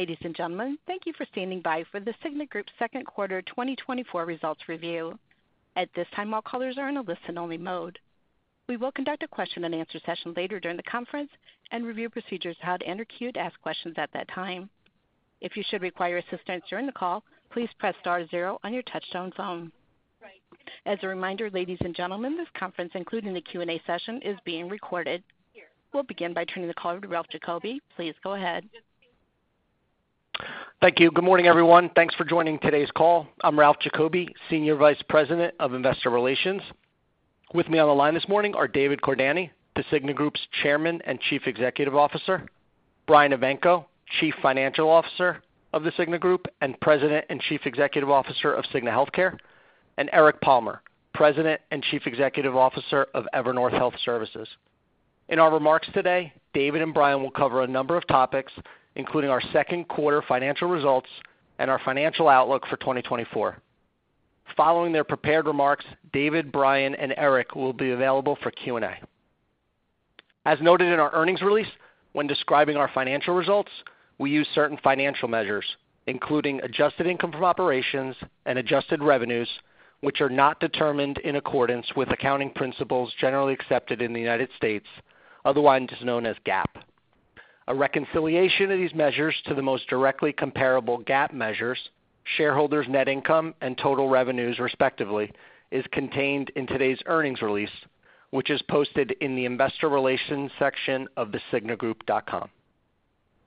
Ladies and gentlemen, thank you for standing by for the Cigna Group's Q2 2024 Results Review. At this time, all callers are in a listen-only mode. We will conduct a question-and-answer session later during the conference, and review procedures to how to enter queue to ask questions at that time. If you should require assistance during the call, please press Star zero on your touch-tone phone. As a reminder, ladies and gentlemen, this conference, including the Q&A session, is being recorded. We'll begin by turning the call over to Ralph Giacobbe. Please go ahead. Thank you. Good morning, everyone. Thanks for joining today's call. I'm Ralph Giacobbe, Senior Vice President of Investor Relations. With me on the line this morning are David Cordani, the Cigna Group's Chairman and Chief Executive Officer; Brian Evanko, Chief Financial Officer of the Cigna Group and President and Chief Executive Officer of Cigna Healthcare; and Eric Palmer, President and Chief Executive Officer of Evernorth Health Services. In our remarks today, David and Brian will cover a number of topics, including our Q2 financial results and our financial outlook for 2024. Following their prepared remarks, David, Brian, and Eric will be available for Q&A. As noted in our earnings release, when describing our financial results, we use certain financial measures, including adjusted income from operations and adjusted revenues, which are not determined in accordance with accounting principles generally accepted in the United States, otherwise known as GAAP. A reconciliation of these measures to the most directly comparable GAAP measures, shareholders' net income and total revenues, respectively, is contained in today's earnings release, which is posted in the Investor Relations section of thecignagroup.com.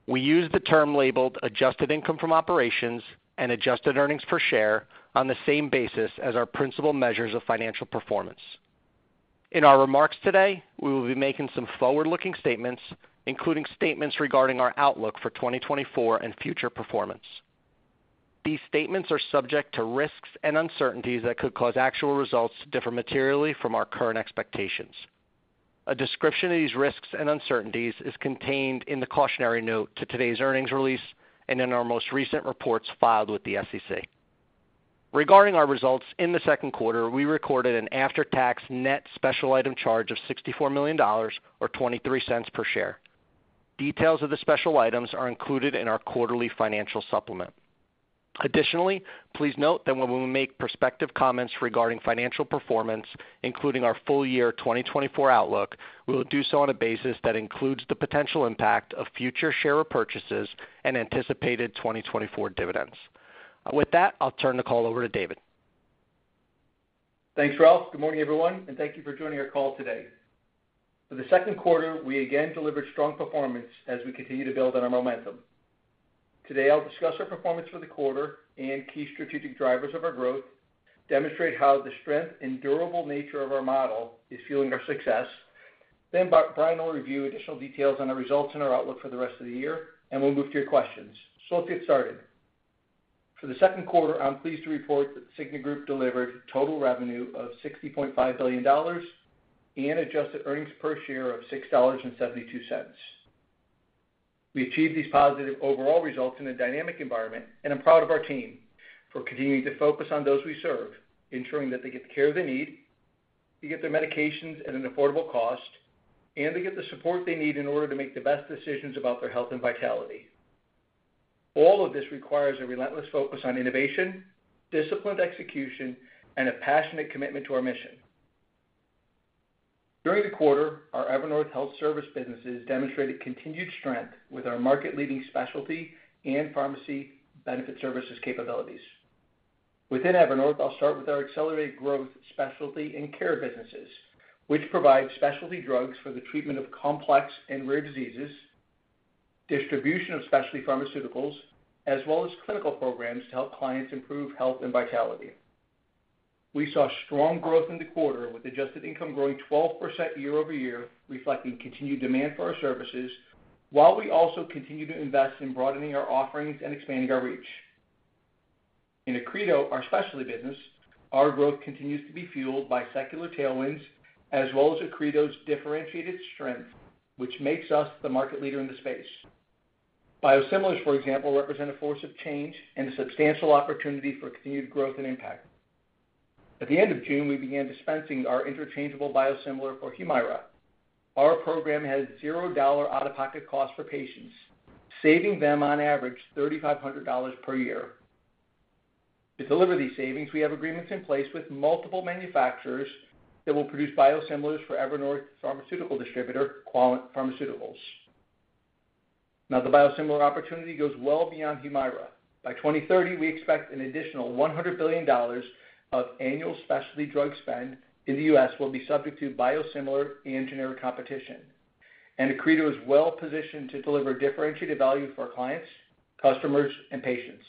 We use the term labeled Adjusted Income from Operations and Adjusted Earnings Per Share on the same basis as our principal measures of financial performance. In our remarks today, we will be making some forward-looking statements, including statements regarding our outlook for 2024 and future performance. These statements are subject to risks and uncertainties that could cause actual results to differ materially from our current expectations. A description of these risks and uncertainties is contained in the cautionary note to today's earnings release and in our most recent reports filed with the SEC. Regarding our results in the Q2, we recorded an after-tax net special item charge of $64 million, or $0.23 per share. Details of the special items are included in our quarterly financial supplement. Additionally, please note that when we make prospective comments regarding financial performance, including our full year 2024 outlook, we will do so on a basis that includes the potential impact of future share purchases and anticipated 2024 dividends. With that, I'll turn the call over to David. Thanks, Ralph. Good morning, everyone, and thank you for joining our call today. For the Q2, we again delivered strong performance as we continue to build on our momentum. Today, I'll discuss our performance for the quarter and key strategic drivers of our growth, demonstrate how the strength and durable nature of our model is fueling our success. Then, Brian will review additional details on our results and our outlook for the rest of the year, and we'll move to your questions. So let's get started. For the Q2, I'm pleased to report that The Cigna Group delivered total revenue of $60.5 billion and adjusted earnings per share of $6.72. We achieved these positive overall results in a dynamic environment, and I'm proud of our team for continuing to focus on those we serve, ensuring that they get the care they need, they get their medications at an affordable cost, and they get the support they need in order to make the best decisions about their health and vitality. All of this requires a relentless focus on innovation, disciplined execution, and a passionate commitment to our mission. During the quarter, our Evernorth Health Services businesses demonstrated continued strength with our market-leading specialty and pharmacy benefit services capabilities. Within Evernorth, I'll start with our accelerated growth specialty and care businesses, which provide specialty drugs for the treatment of complex and rare diseases, distribution of specialty pharmaceuticals, as well as clinical programs to help clients improve health and vitality. We saw strong growth in the quarter, with adjusted income growing 12% year-over-year, reflecting continued demand for our services, while we also continue to invest in broadening our offerings and expanding our reach. In Accredo, our specialty business, our growth continues to be fueled by secular tailwinds, as well as Accredo's differentiated strength, which makes us the market leader in the space. Biosimilars, for example, represent a force of change and a substantial opportunity for continued growth and impact. At the end of June, we began dispensing our interchangeable biosimilar for Humira. Our program has zero-dollar out-of-pocket costs for patients, saving them on average $3,500 per year. To deliver these savings, we have agreements in place with multiple manufacturers that will produce biosimilars for Evernorth pharmaceutical distributor Quallent Pharmaceuticals. Now, the biosimilar opportunity goes well beyond Humira. By 2030, we expect an additional $100 billion of annual specialty drug spend in the U.S. will be subject to biosimilar and generic competition, and Accredo is well positioned to deliver differentiated value for our clients, customers, and patients.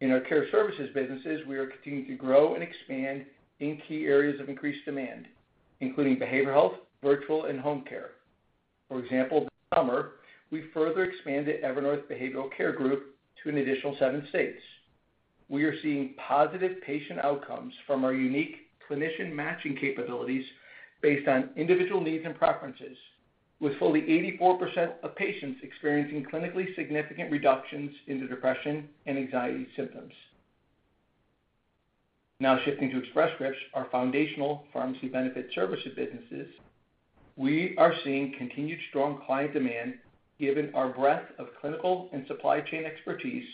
In our care services businesses, we are continuing to grow and expand in key areas of increased demand, including behavioral health, virtual, and home care. For example, this summer, we further expanded Evernorth Behavioral Care Group to an additional seven states. We are seeing positive patient outcomes from our unique clinician matching capabilities based on individual needs and preferences, with fully 84% of patients experiencing clinically significant reductions in their depression and anxiety symptoms. Now shifting to Express Scripts, our foundational pharmacy benefit services businesses, we are seeing continued strong client demand given our breadth of clinical and supply chain expertise,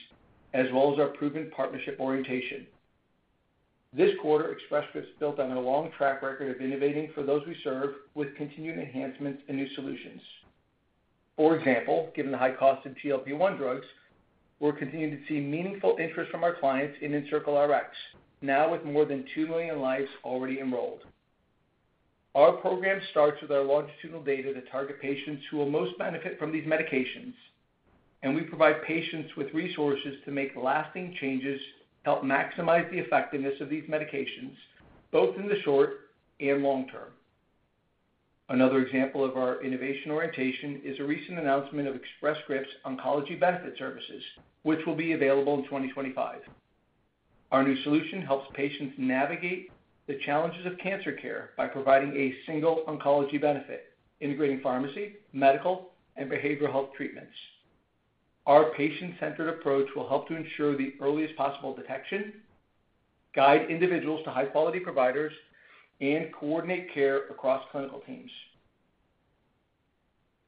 as well as our proven partnership orientation. This quarter, Express Scripts built on a long track record of innovating for those we serve, with continued enhancements and new solutions. For example, given the high cost of GLP-1 drugs, we're continuing to see meaningful interest from our clients in EncircleRx, now with more than two million lives already enrolled. Our program starts with our longitudinal data to target patients who will most benefit from these medications, and we provide patients with resources to make lasting changes to help maximize the effectiveness of these medications, both in the short and long term. Another example of our innovation orientation is a recent announcement of Express Scripts' oncology benefit services, which will be available in 2025. Our new solution helps patients navigate the challenges of cancer care by providing a single oncology benefit, integrating pharmacy, medical, and behavioral health treatments. Our patient-centered approach will help to ensure the earliest possible detection, guide individuals to high-quality providers, and coordinate care across clinical teams.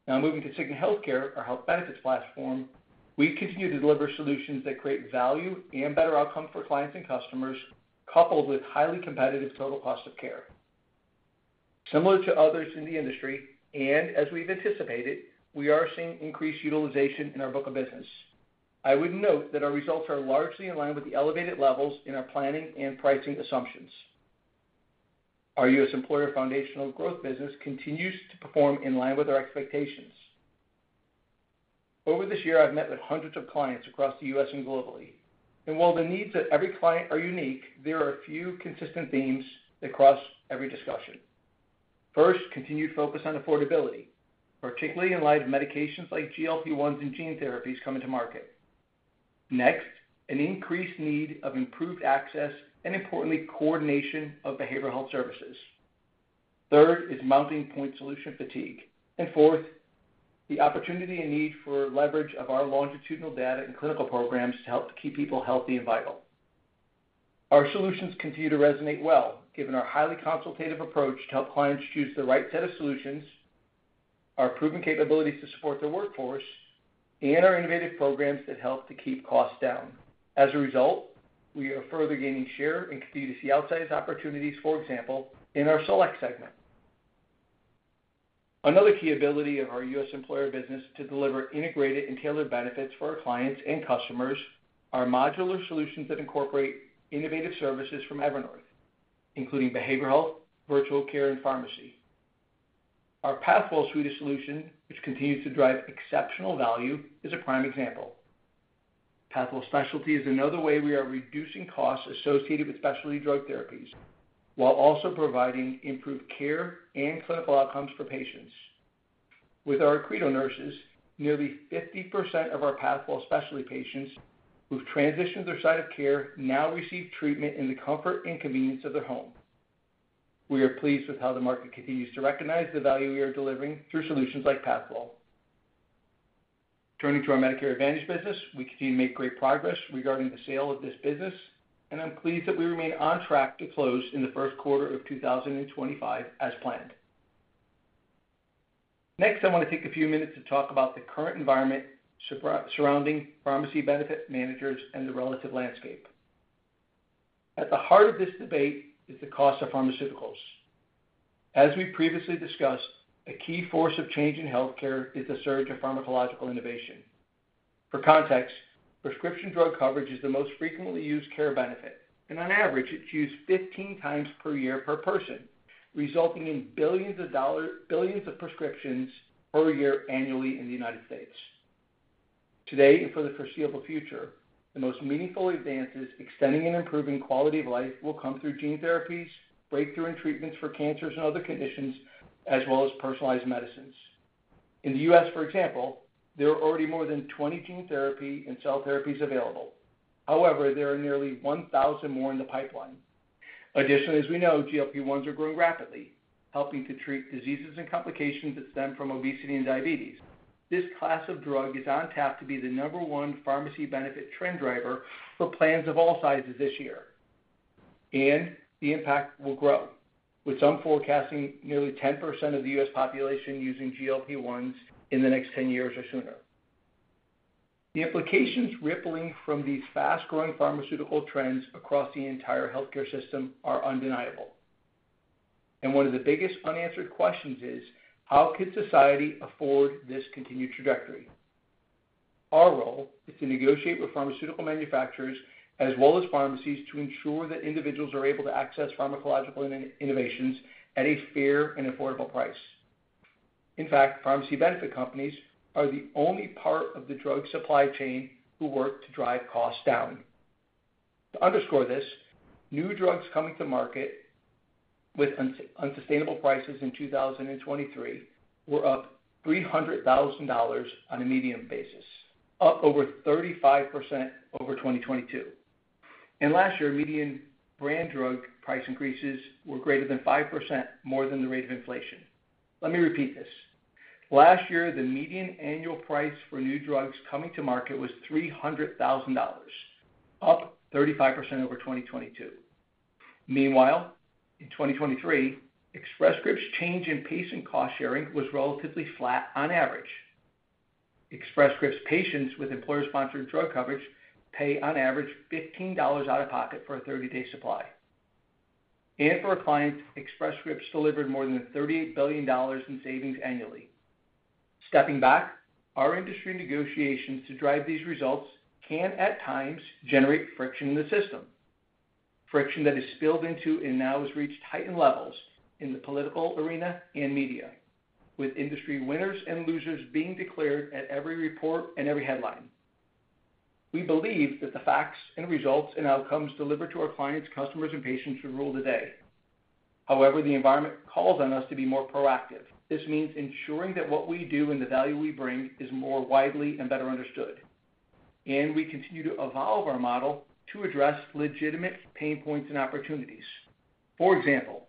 Now, moving to Cigna Healthcare, our health benefits platform, we continue to deliver solutions that create value and better outcomes for clients and customers, coupled with highly competitive total cost of care. Similar to others in the industry, and as we've anticipated, we are seeing increased utilization in our book of business. I would note that our results are largely in line with the elevated levels in our planning and pricing assumptions. Our U.S. employer foundational growth business continues to perform in line with our expectations. Over this year, I've met with hundreds of clients across the U.S. and globally. While the needs of every client are unique, there are a few consistent themes that cross every discussion. First, continued focus on affordability, particularly in light of medications like GLP-1s and gene therapies coming to market. Next, an increased need of improved access and, importantly, coordination of behavioral health services. Third is mounting point solution fatigue. And fourth, the opportunity and need for leverage of our longitudinal data and clinical programs to help keep people healthy and vital. Our solutions continue to resonate well, given our highly consultative approach to help clients choose the right set of solutions, our proven capabilities to support their workforce, and our innovative programs that help to keep costs down. As a result, we are further gaining share and continue to see outsized opportunities, for example, in our Select Segment. Another key ability of our U.S. employer business to deliver integrated and tailored benefits for our clients and customers are modular solutions that incorporate innovative services from Evernorth, including behavioral health, virtual care, and pharmacy. Our Pathwell suite of solutions, which continues to drive exceptional value, is a prime example. Pathwell Specialty is another way we are reducing costs associated with specialty drug therapies, while also providing improved care and clinical outcomes for patients. With our Accredo nurses, nearly 50% of our Pathwell Specialty patients who've transitioned their site of care now receive treatment in the comfort and convenience of their home. We are pleased with how the market continues to recognize the value we are delivering through solutions like Pathwell. Turning to our Medicare Advantage business, we continue to make great progress regarding the sale of this business, and I'm pleased that we remain on track to close in the Q1 of 2025 as planned. Next, I want to take a few minutes to talk about the current environment surrounding pharmacy benefit managers and the relative landscape. At the heart of this debate is the cost of pharmaceuticals. As we previously discussed, a key force of change in healthcare is the surge of pharmacological innovation. For context, prescription drug coverage is the most frequently used care benefit, and on average, it's used 15 times per year per person, resulting in billions of prescriptions per year annually in the United States. Today, and for the foreseeable future, the most meaningful advances extending and improving quality of life will come through gene therapies, breakthrough and treatments for cancers and other conditions, as well as personalized medicines. In the U.S., for example, there are already more than 20 gene therapy and cell therapies available. However, there are nearly 1,000 more in the pipeline. Additionally, as we know, GLP-1s are growing rapidly, helping to treat diseases and complications that stem from obesity and diabetes. This class of drug is on tap to be the number one pharmacy benefit trend driver for plans of all sizes this year, and the impact will grow, with some forecasting nearly 10% of the U.S. population using GLP-1s in the next 10 years or sooner. The implications rippling from these fast-growing pharmaceutical trends across the entire healthcare system are undeniable. One of the biggest unanswered questions is, how could society afford this continued trajectory? Our role is to negotiate with pharmaceutical manufacturers as well as pharmacies to ensure that individuals are able to access pharmacological innovations at a fair and affordable price. In fact, pharmacy benefit companies are the only part of the drug supply chain who work to drive costs down. To underscore this, new drugs coming to market with unsustainable prices in 2023 were up $300,000 on a median basis, up over 35% over 2022. Last year, median brand drug price increases were greater than 5% more than the rate of inflation. Let me repeat this. Last year, the median annual price for new drugs coming to market was $300,000, up 35% over 2022. Meanwhile, in 2023, Express Scripts' change in patient cost sharing was relatively flat on average. Express Scripts' patients with employer-sponsored drug coverage pay on average $15 out of pocket for a 30-day supply. For our clients, Express Scripts delivered more than $38 billion in savings annually. Stepping back, our industry negotiations to drive these results can, at times, generate friction in the system, friction that has spilled into and now has reached heightened levels in the political arena and media, with industry winners and losers being declared at every report and every headline. We believe that the facts and results and outcomes delivered to our clients, customers, and patients will rule today. However, the environment calls on us to be more proactive. This means ensuring that what we do and the value we bring is more widely and better understood. We continue to evolve our model to address legitimate pain points and opportunities. For example,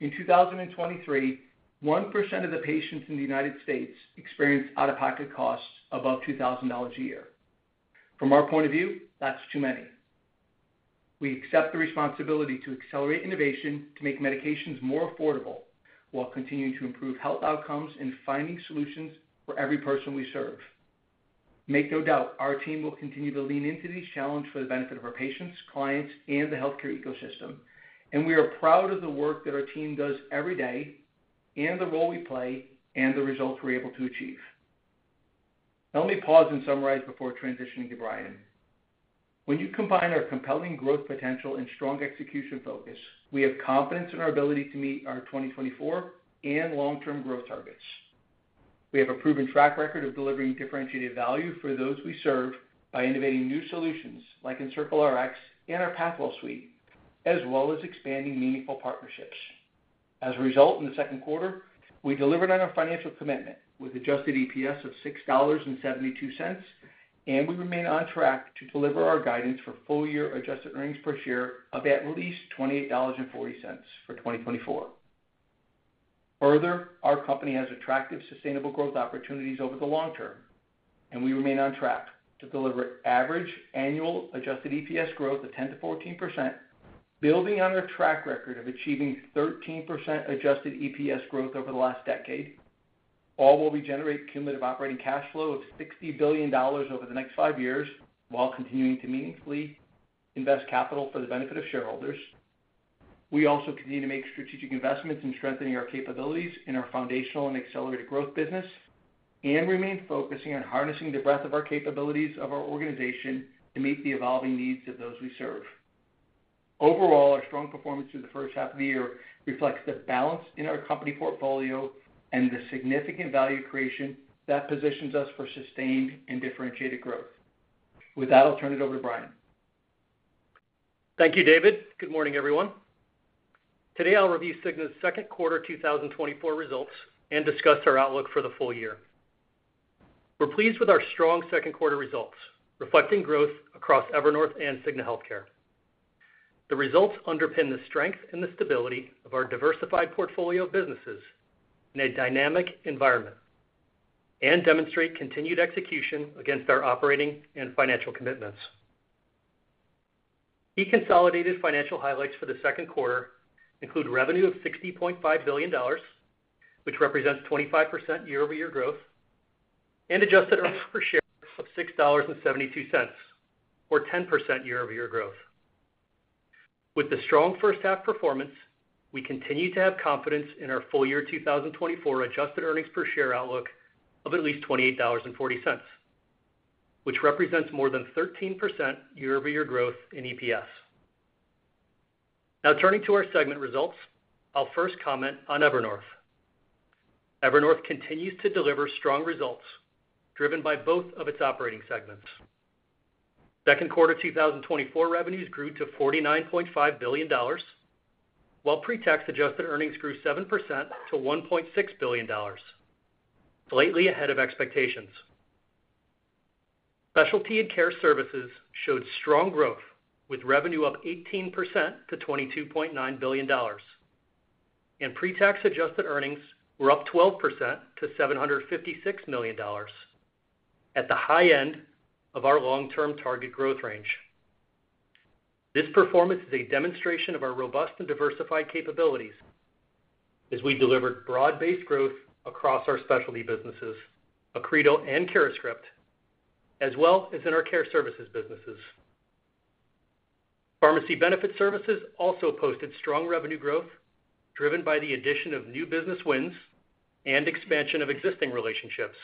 in 2023, 1% of the patients in the United States experienced out-of-pocket costs above $2,000 a year. From our point of view, that's too many. We accept the responsibility to accelerate innovation to make medications more affordable while continuing to improve health outcomes and finding solutions for every person we serve. Make no doubt, our team will continue to lean into these challenges for the benefit of our patients, clients, and the healthcare ecosystem. We are proud of the work that our team does every day and the role we play and the results we're able to achieve. Now, let me pause and summarize before transitioning to Brian. When you combine our compelling growth potential and strong execution focus, we have confidence in our ability to meet our 2024 and long-term growth targets. We have a proven track record of delivering differentiated value for those we serve by innovating new solutions like EncircleRx and our Pathwell suite, as well as expanding meaningful partnerships. As a result, in the Q2, we delivered on our financial commitment with adjusted EPS of $6.72, and we remain on track to deliver our guidance for full-year adjusted earnings per share of at least $28.40 for 2024. Further, our company has attractive sustainable growth opportunities over the long term, and we remain on track to deliver average annual adjusted EPS growth of 10%-14%, building on our track record of achieving 13% adjusted EPS growth over the last decade, all while we generate cumulative operating cash flow of $60 billion over the next five years while continuing to meaningfully invest capital for the benefit of shareholders. We also continue to make strategic investments in strengthening our capabilities in our foundational and accelerated growth business and remain focusing on harnessing the breadth of our capabilities of our organization to meet the evolving needs of those we serve. Overall, our strong performance through the first half of the year reflects the balance in our company portfolio and the significant value creation that positions us for sustained and differentiated growth. With that, I'll turn it over to Brian. Thank you, David. Good morning, everyone. Today, I'll review Cigna's Q2 2024 results and discuss our outlook for the full year. We're pleased with our strong Q2 results, reflecting growth across Evernorth and Cigna Healthcare. The results underpin the strength and the stability of our diversified portfolio of businesses in a dynamic environment and demonstrate continued execution against our operating and financial commitments. Key consolidated financial highlights for the Q2 include revenue of $60.5 billion, which represents 25% year-over-year growth, and adjusted earnings per share of $6.72, or 10% year-over-year growth. With the strong first-half performance, we continue to have confidence in our full-year 2024 adjusted earnings per share outlook of at least $28.40, which represents more than 13% year-over-year growth in EPS. Now, turning to our segment results, I'll first comment on Evernorth. Evernorth continues to deliver strong results driven by both of its operating segments. Q2 2024 revenues grew to $49.5 billion, while pre-tax adjusted earnings grew 7% to $1.6 billion, slightly ahead of expectations. Specialty and care services showed strong growth, with revenue up 18% to $22.9 billion, and pre-tax adjusted earnings were up 12% to $756 million, at the high end of our long-term target growth range. This performance is a demonstration of our robust and diversified capabilities as we delivered broad-based growth across our specialty businesses, Accredo and CuraScript, as well as in our care services businesses. Pharmacy benefit services also posted strong revenue growth driven by the addition of new business wins and expansion of existing relationships.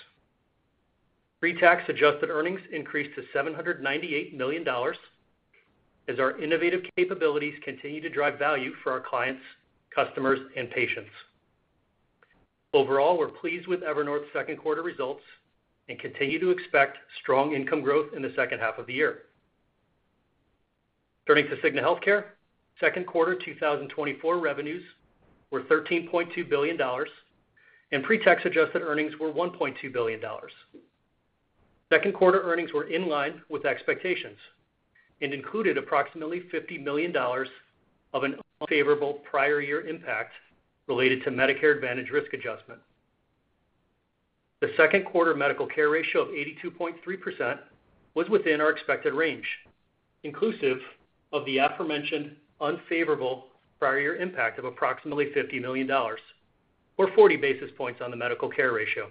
Pre-tax adjusted earnings increased to $798 million as our innovative capabilities continue to drive value for our clients, customers, and patients. Overall, we're pleased with Evernorth's Q2 results and continue to expect strong income growth in the second half of the year. Turning to Cigna Healthcare, Q2 2024 revenues were $13.2 billion, and pre-tax adjusted earnings were $1.2 billion. Q2 earnings were in line with expectations and included approximately $50 million of an unfavorable prior-year impact related to Medicare Advantage risk adjustment. The Q2 Medical Care Ratio of 82.3% was within our expected range, inclusive of the aforementioned unfavorable prior-year impact of approximately $50 million, or 40 basis points on the Medical Care Ratio.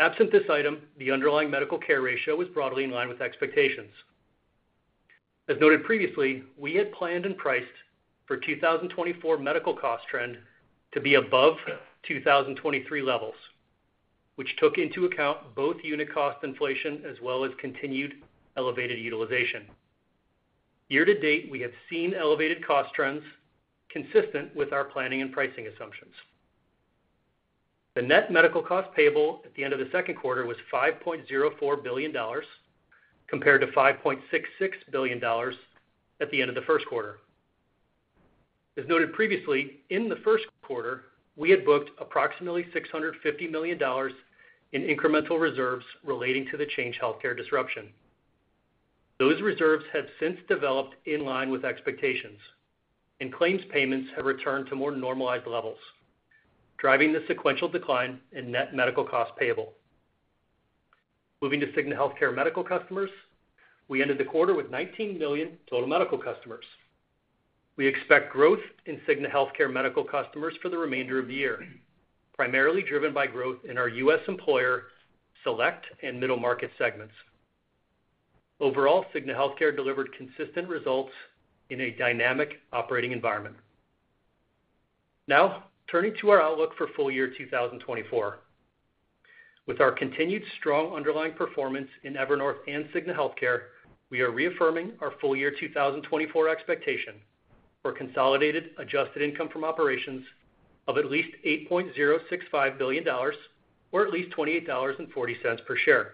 Absent this item, the underlying Medical Care Ratio was broadly in line with expectations. As noted previously, we had planned and priced for 2024 medical cost trend to be above 2023 levels, which took into account both unit cost inflation as well as continued elevated utilization. Year to date, we have seen elevated cost trends consistent with our planning and pricing assumptions. The net medical cost payable at the end of the Q2 was $5.04 billion, compared to $5.66 billion at the end of the Q1. As noted previously, in the Q1, we had booked approximately $650 million in incremental reserves relating to the Change Healthcare disruption. Those reserves have since developed in line with expectations, and claims payments have returned to more normalized levels, driving the sequential decline in net medical cost payable. Moving to Cigna Healthcare medical customers, we ended the quarter with 19 million total medical customers. We expect growth in Cigna Healthcare medical customers for the remainder of the year, primarily driven by growth in our U.S. employer Select and middle market segments. Overall, Cigna Healthcare delivered consistent results in a dynamic operating environment. Now, turning to our outlook for full year 2024. With our continued strong underlying performance in Evernorth and Cigna Healthcare, we are reaffirming our full year 2024 expectation for consolidated adjusted income from operations of at least $8.065 billion, or at least $28.40 per share.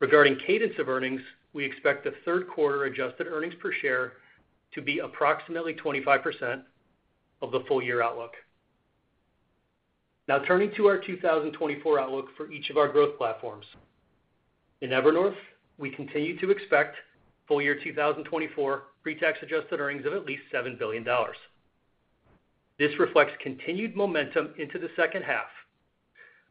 Regarding cadence of earnings, we expect the Q3 adjusted earnings per share to be approximately 25% of the full year outlook. Now, turning to our 2024 outlook for each of our growth platforms. In Evernorth, we continue to expect full year 2024 pre-tax adjusted earnings of at least $7 billion. This reflects continued momentum into the second half,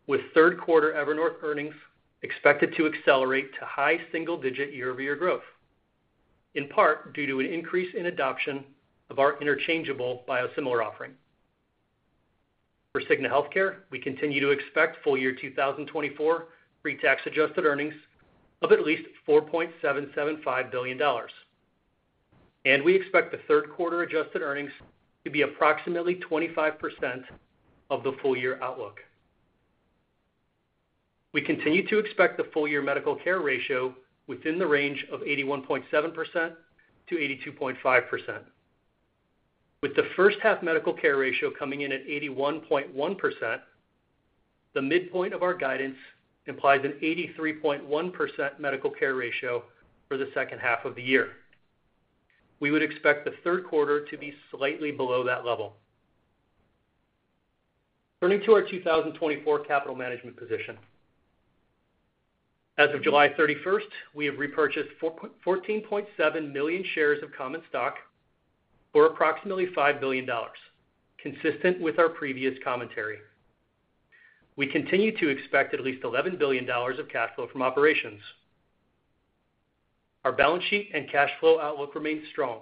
with Q3 Evernorth earnings expected to accelerate to high single-digit year-over-year growth, in part due to an increase in adoption of our interchangeable biosimilar offering. For Cigna Healthcare, we continue to expect full year 2024 pre-tax adjusted earnings of at least $4.775 billion, and we expect the Q3 adjusted earnings to be approximately 25% of the full year outlook. We continue to expect the full year Medical Care Ratio within the range of 81.7%-82.5%. With the first-half Medical Care Ratio coming in at 81.1%, the midpoint of our guidance implies an 83.1% Medical Care Ratio for the second half of the year. We would expect the Q3 to be slightly below that level. Turning to our 2024 capital management position. As of 31 July, we have repurchased 14.7 million shares of common stock for approximately $5 billion, consistent with our previous commentary. We continue to expect at least $11 billion of cash flow from operations. Our balance sheet and cash flow outlook remain strong,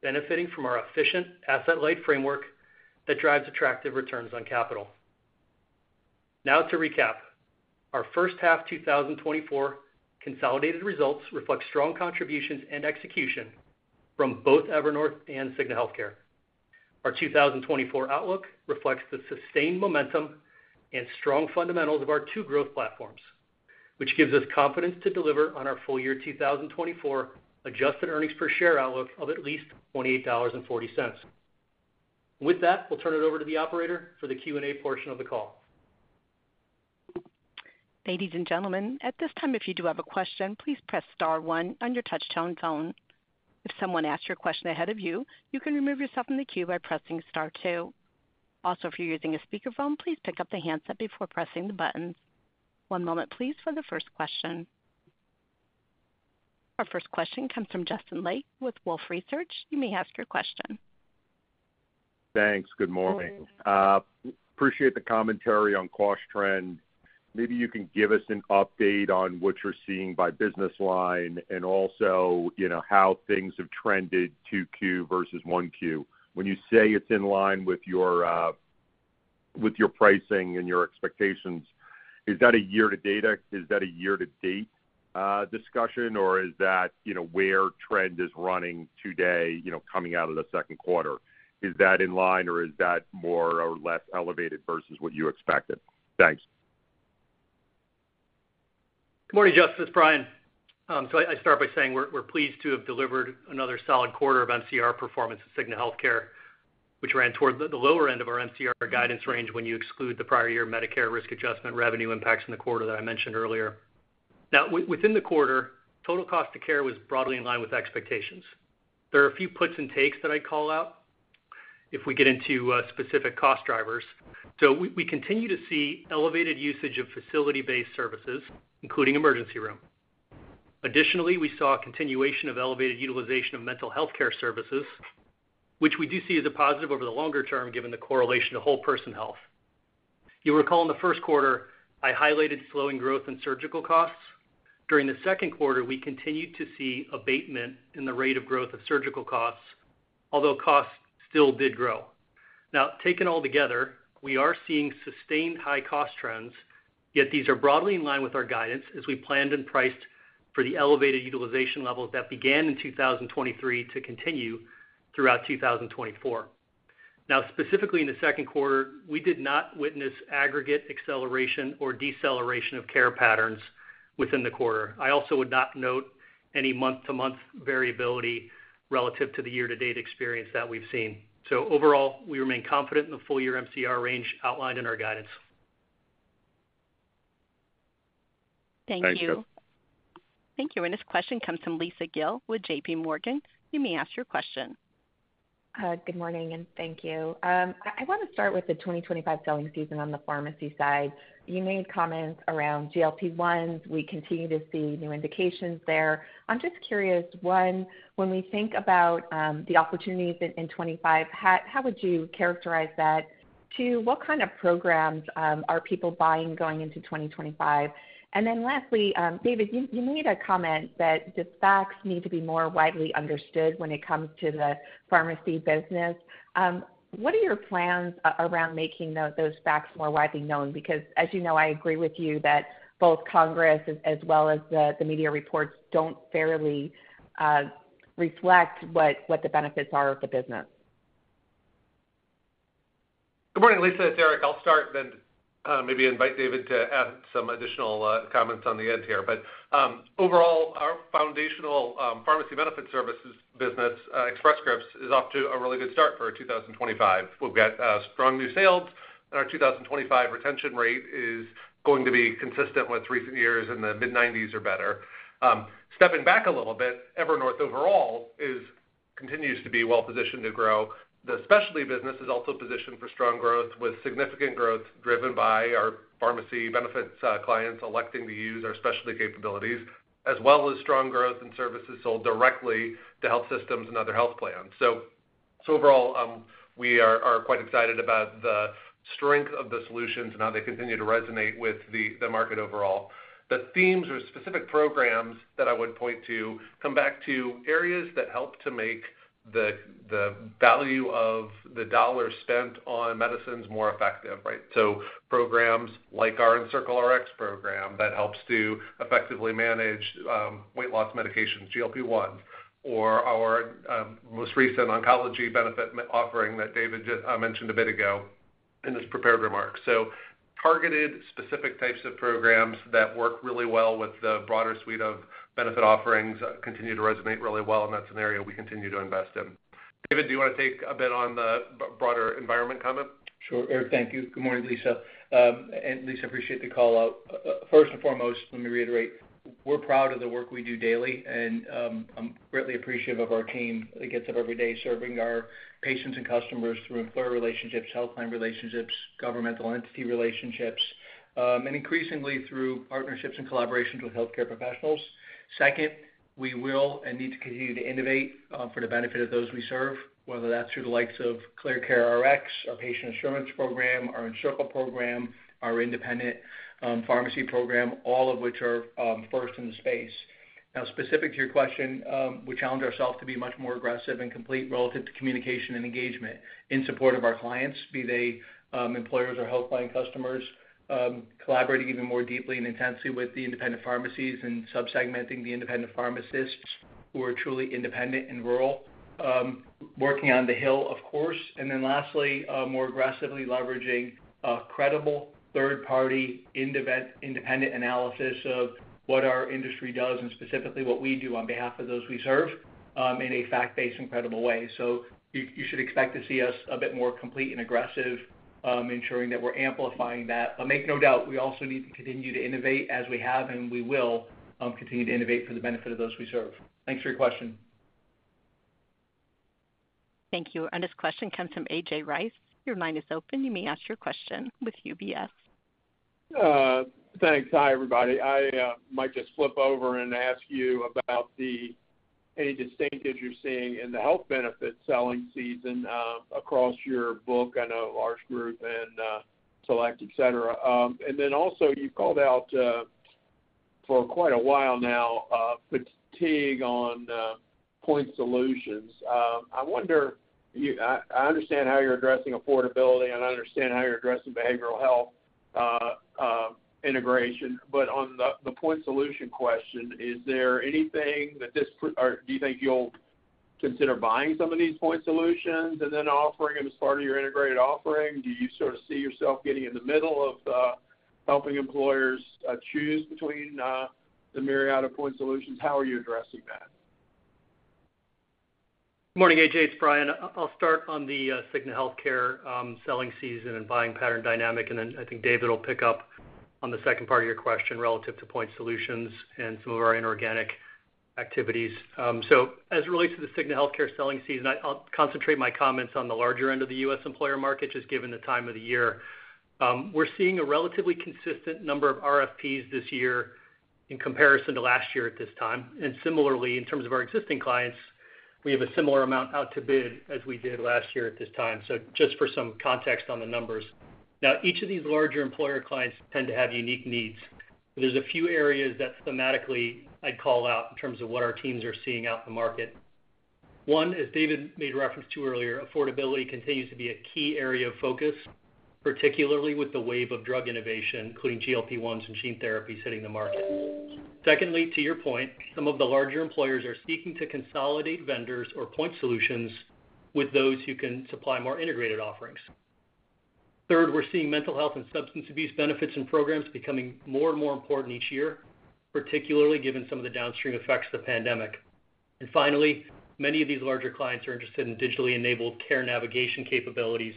benefiting from our efficient asset-light framework that drives attractive returns on capital. Now, to recap, our first half 2024 consolidated results reflect strong contributions and execution from both Evernorth and Cigna Healthcare. Our 2024 outlook reflects the sustained momentum and strong fundamentals of our two growth platforms, which gives us confidence to deliver on our full year 2024 adjusted earnings per share outlook of at least $28.40. With that, we'll turn it over to the operator for the Q&A portion of the call. Ladies and gentlemen, at this time, if you do have a question, please press Star 1 on your touch-tone phone. If someone asked your question ahead of you, you can remove yourself from the queue by pressing Star 2. Also, if you're using a speakerphone, please pick up the handset before pressing the buttons. One moment, please, for the first question. Our first question comes from Justin Lake with Wolfe Research. You may ask your question. Thanks. Good morning. Appreciate the commentary on cost trend. Maybe you can give us an update on what you're seeing by business line and also how things have trended 2Q versus 1Q. When you say it's in line with your pricing and your expectations, is that a year-to-date discussion, or is that where trend is running today coming out of the Q2? Is that in line, or is that more or less elevated versus what you expected? Thanks. Good morning, Justin. This is Brian. So I start by saying we're pleased to have delivered another solid quarter of MCR performance at Cigna Healthcare, which ran toward the lower end of our MCR guidance range when you exclude the prior-year Medicare risk adjustment revenue impacts in the quarter that I mentioned earlier. Now, within the quarter, total cost of care was broadly in line with expectations. There are a few puts and takes that I'd call out if we get into specific cost drivers. So we continue to see elevated usage of facility-based services, including emergency room. Additionally, we saw a continuation of elevated utilization of mental healthcare services, which we do see as a positive over the longer term given the correlation to whole person health. You'll recall in the Q1, I highlighted slowing growth in surgical costs. During the Q2, we continued to see abatement in the rate of growth of surgical costs, although costs still did grow. Now, taken all together, we are seeing sustained high cost trends, yet these are broadly in line with our guidance as we planned and priced for the elevated utilization levels that began in 2023 to continue throughout 2024. Now, specifically in the Q2, we did not witness aggregate acceleration or deceleration of care patterns within the quarter. I also would not note any month-to-month variability relative to the year-to-date experience that we've seen. So overall, we remain confident in the full-year MCR range outlined in our guidance. Thank you. Thank you. And this question comes from Lisa Gill with J.P. Morgan. You may ask your question. Good morning, and thank you. I want to start with the 2025 selling season on the pharmacy side. You made comments around GLP-1s. We continue to see new indications there. I'm just curious, one, when we think about the opportunities in 2025, how would you characterize that? Two, what kind of programs are people buying going into 2025? And then lastly, David, you made a comment that the facts need to be more widely understood when it comes to the pharmacy business. What are your plans around making those facts more widely known? Because, as you know, I agree with you that both Congress as well as the media reports don't fairly reflect what the benefits are of the business. Good morning, Lisa. It's Eric. I'll start, then maybe invite David to add some additional comments on the edge here. Overall, our foundational pharmacy benefit services business, Express Scripts, is off to a really good start for 2025. We've got strong new sales, and our 2025 retention rate is going to be consistent with recent years in the mid-90s or better. Stepping back a little bit, Evernorth overall continues to be well-positioned to grow. The specialty business is also positioned for strong growth, with significant growth driven by our pharmacy benefits clients electing to use our specialty capabilities, as well as strong growth in services sold directly to health systems and other health plans. So overall, we are quite excited about the strength of the solutions and how they continue to resonate with the market overall. The themes or specific programs that I would point to come back to areas that help to make the value of the dollar spent on medicines more effective, right? So programs like our EncircleRx program that helps to effectively manage weight loss medications, GLP-1s, or our most recent oncology benefit offering that David mentioned a bit ago in his prepared remarks. So targeted specific types of programs that work really well with the broader suite of benefit offerings continue to resonate really well in that scenario we continue to invest in. David, do you want to take a bit on the broader environment comment? Sure. Eric, thank you. Good morning, Lisa. And Lisa, I appreciate the call. First and foremost, let me reiterate, we're proud of the work we do daily, and I'm greatly appreciative of our team that gets up every day serving our patients and customers through employer relationships, health plan relationships, governmental entity relationships, and increasingly through partnerships and collaborations with healthcare professionals. Second, we will and need to continue to innovate for the benefit of those we serve, whether that's through the likes of ClearCareRx, our patient assurance program, our EncircleRx program, our independent pharmacy program, all of which are first in the space. Now, specific to your question, we challenge ourselves to be much more aggressive and complete relative to communication and engagement in support of our clients, be they employers or health plan customers, collaborating even more deeply and intensely with the independent pharmacies and subsegmenting the independent pharmacists who are truly independent and rural, working on the hill, of course. And then lastly, more aggressively leveraging credible third-party independent analysis of what our industry does and specifically what we do on behalf of those we serve in a fact-based and credible way. So you should expect to see us a bit more complete and aggressive, ensuring that we're amplifying that. But make no doubt, we also need to continue to innovate as we have, and we will continue to innovate for the benefit of those we serve. Thanks for your question. Thank you. And this question comes from A.J. Rice. Your line is open. You may ask your question with UBS. Thanks. Hi, everybody. I might just flip over and ask you about any distinctives you're seeing in the health benefit selling season across your book and a large group and select, etc. And then also, you've called out for quite a while now fatigue on point solutions. I wonder, I understand how you're addressing affordability, and I understand how you're addressing behavioral health integration, but on the point solution question, is there anything that this or do you think you'll consider buying some of these point solutions and then offering them as part of your integrated offering? Do you sort of see yourself getting in the middle of helping employers choose between the myriad of point solutions? How are you addressing that? Good morning, AJ. It's Brian. I'll start on the Cigna Healthcare selling season and buying pattern dynamic, and then I think David will pick up on the second part of your question relative to point solutions and some of our inorganic activities. So as it relates to the Cigna Healthcare selling season, I'll concentrate my comments on the larger end of the U.S. employer market, just given the time of the year. We're seeing a relatively consistent number of RFPs this year in comparison to last year at this time. And similarly, in terms of our existing clients, we have a similar amount out to bid as we did last year at this time. So just for some context on the numbers. Now, each of these larger employer clients tend to have unique needs. There's a few areas that thematically I'd call out in terms of what our teams are seeing out in the market. One, as David made reference to earlier, affordability continues to be a key area of focus, particularly with the wave of drug innovation, including GLP-1s and gene therapy hitting the market. Secondly, to your point, some of the larger employers are seeking to consolidate vendors or point solutions with those who can supply more integrated offerings. Third, we're seeing mental health and substance abuse benefits and programs becoming more and more important each year, particularly given some of the downstream effects of the pandemic. And finally, many of these larger clients are interested in digitally enabled care navigation capabilities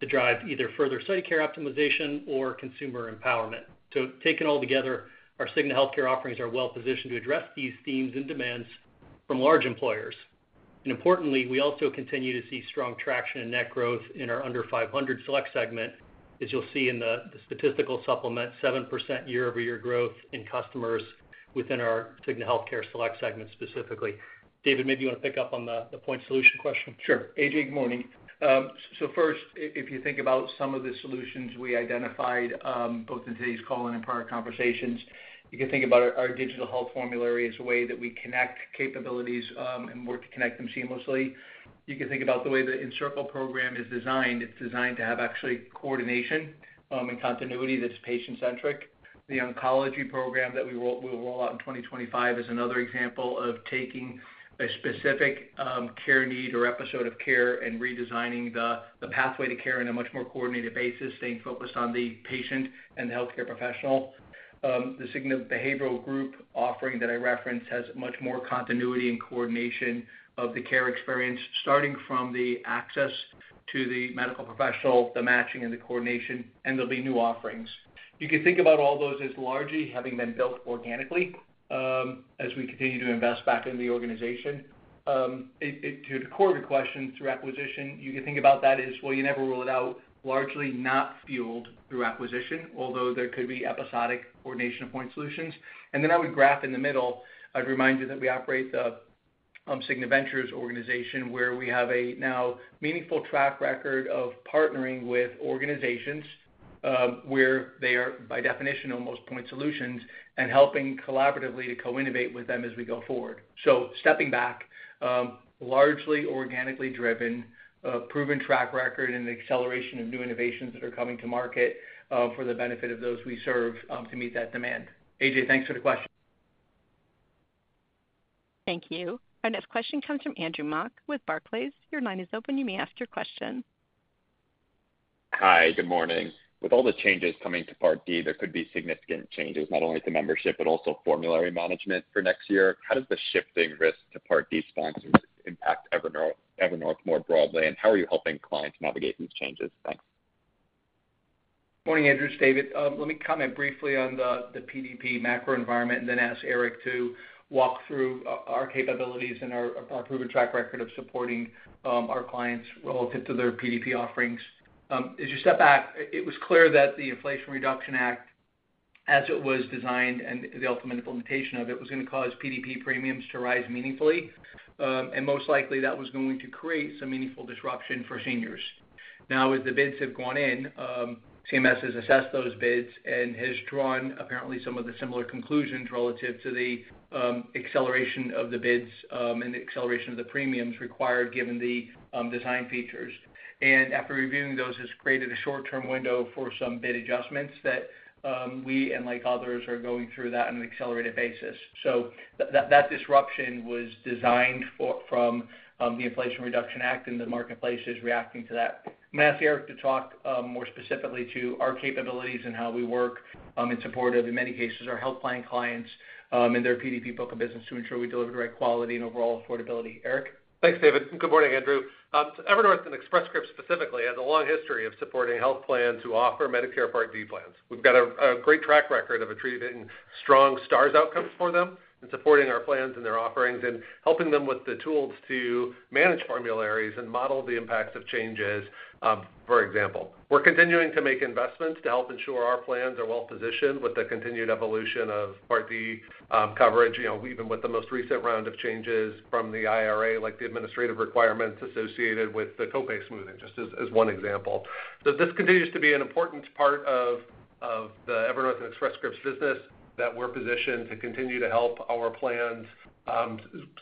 to drive either further study care optimization or consumer empowerment. So taken all together, our Cigna Healthcare offerings are well-positioned to address these themes and demands from large employers. And importantly, we also continue to see strong traction and net growth in our under 500 Select Segment, as you'll see in the statistical supplement, 7% year-over-year growth in customers within our Cigna Healthcare Select Segment specifically. David, maybe you want to pick up on the point solution question? Sure. AJ, good morning. So first, if you think about some of the solutions we identified both in today's call and in prior conversations, you can think about our digital health formulary as a way that we connect capabilities and work to connect them seamlessly. You can think about the way the Encircle program is designed. It's designed to have actually coordination and continuity that's patient-centric. The oncology program that we will roll out in 2025 is another example of taking a specific care need or episode of care and redesigning the pathway to care on a much more coordinated basis, staying focused on the patient and the healthcare professional. The Cigna Behavioral Group offering that I referenced has much more continuity and coordination of the care experience, starting from the access to the medical professional, the matching, and the coordination, and there'll be new offerings. You can think about all those as largely having been built organically as we continue to invest back in the organization. To the core of your question, through acquisition, you can think about that as, well, you never ruled it out, largely not fueled through acquisition, although there could be episodic coordination of point solutions. And then I would graph in the middle. I'd remind you that we operate the Cigna Ventures organization where we have a now meaningful track record of partnering with organizations where they are, by definition, almost point solutions and helping collaboratively to co-innovate with them as we go forward. So stepping back, largely organically driven, proven track record, and an acceleration of new innovations that are coming to market for the benefit of those we serve to meet that demand. A.J., thanks for the question. Thank you. Our next question comes from Andrew Mok with Barclays. Your line is open. You may ask your question. Hi, good morning. With all the changes coming to Part D, there could be significant changes, not only to membership, but also formulary management for next year. How does the shifting risk to Part D sponsors impact Evernorth more broadly, and how are you helping clients navigate these changes? Thanks. Morning, Andrew, it's David. Let me comment briefly on the PDP macro environment and then ask Eric to walk through our capabilities and our proven track record of supporting our clients relative to their PDP offerings. As you step back, it was clear that the Inflation Reduction Act, as it was designed and the ultimate implementation of it, was going to cause PDP premiums to rise meaningfully. And most likely, that was going to create some meaningful disruption for seniors. Now, as the bids have gone in, CMS has assessed those bids and has drawn apparently some of the similar conclusions relative to the acceleration of the bids and the acceleration of the premiums required given the design features. And after reviewing those, it has created a short-term window for some bid adjustments that we and others are going through that on an accelerated basis. So that disruption was designed from the Inflation Reduction Act and the marketplace is reacting to that. I'm going to ask Eric to talk more specifically to our capabilities and how we work in support of, in many cases, our health plan clients and their PDP book of business to ensure we deliver the right quality and overall affordability. Eric? Thanks, David. Good morning, Andrew. Evernorth and Express Scripts specifically has a long history of supporting health plans who offer Medicare Part D plans. We've got a great track record of attributing strong Stars outcomes for them and supporting our plans and their offerings and helping them with the tools to manage formularies and model the impacts of changes, for example. We're continuing to make investments to help ensure our plans are well-positioned with the continued evolution of Part D coverage, even with the most recent round of changes from the IRA, like the administrative requirements associated with the copay smoothing, just as one example. So this continues to be an important part of the Evernorth and Express Scripts business that we're positioned to continue to help our plans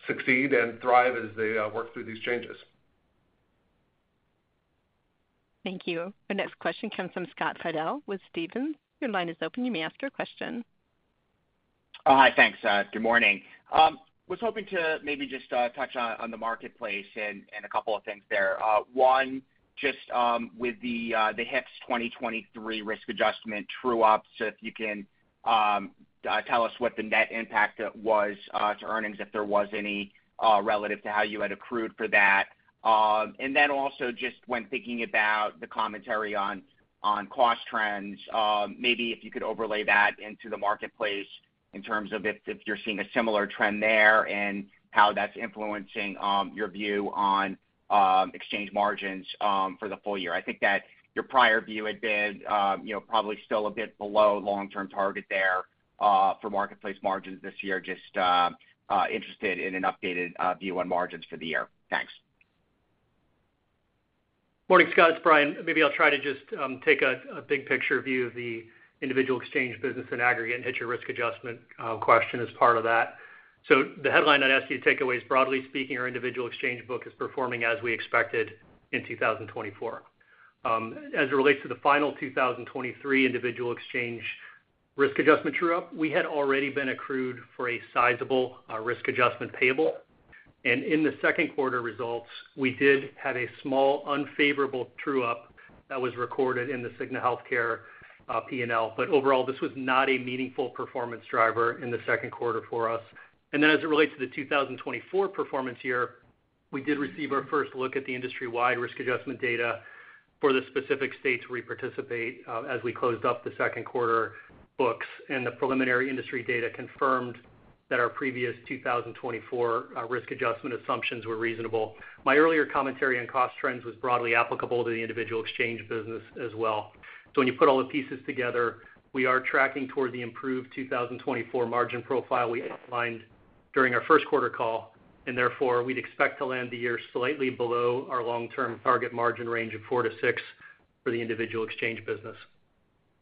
succeed and thrive as they work through these changes. Thank you. Our next question comes from Scott Fidel with Stephens. Your line is open. You may ask your question. Hi, thanks. Good morning. I was hoping to maybe just touch on the marketplace and a couple of things there. One, just with the HHS 2023 risk adjustment true-ups, if you can tell us what the net impact was to earnings, if there was any, relative to how you had accrued for that. And then also just when thinking about the commentary on cost trends, maybe if you could overlay that into the marketplace in terms of if you're seeing a similar trend there and how that's influencing your view on exchange margins for the full year. I think that your prior view had been probably still a bit below long-term target there for marketplace margins this year. Just interested in an updated view on margins for the year. Thanks. Morning, Scott. It's Brian. Maybe I'll try to just take a big picture view of the individual exchange business in aggregate and hit your risk adjustment question as part of that. So the headline I'd ask you to take away is, broadly speaking, our individual exchange book is performing as we expected in 2024. As it relates to the final 2023 individual exchange risk adjustment true-up, we had already been accrued for a sizable risk adjustment payable. In the Q2 results, we did have a small unfavorable true-up that was recorded in the Cigna Healthcare P&L. But overall, this was not a meaningful performance driver in the Q2 for us. Then as it relates to the 2024 performance year, we did receive our first look at the industry-wide risk adjustment data for the specific states where we participate as we closed up the Q2 books. The preliminary industry data confirmed that our previous 2024 risk adjustment assumptions were reasonable. My earlier commentary on cost trends was broadly applicable to the individual exchange business as well. When you put all the pieces together, we are tracking toward the improved 2024 margin profile we outlined during our Q1 call. Therefore, we'd expect to land the year slightly below our long-term target margin range of 4-6 for the individual exchange business.